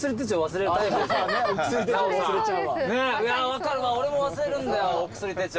分かるわ俺も忘れるんだよお薬手帳。